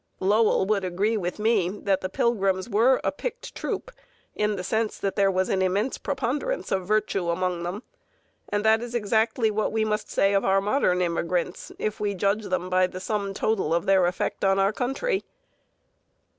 Lowell would agree with me that the Pilgrims were a picked troop in the sense that there was an immense preponderance of virtue among them. And that is exactly what we must say of our modern immigrants, if we judge them by the sum total of their effect on our country.